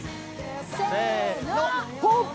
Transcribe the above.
せーの。